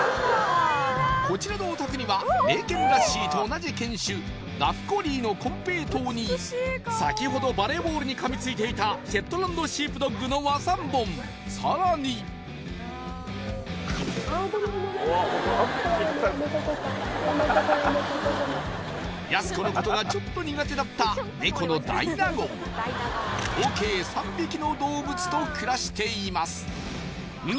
こちらのお宅には「名犬ラッシー」と同じ犬種ラフ・コリーの金平糖にさきほどバレーボールにかみついていたシェットランド・シープドッグの和三盆さらに怖いねやめとこうかやめとこうやめとこうごめんやす子のことがちょっと苦手だったネコの大納言合計３匹の動物と暮らしています